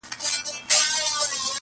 • پېړۍ په ویښه د کوډګرو غومبر وزنګول -